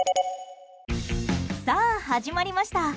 さあ、始まりました。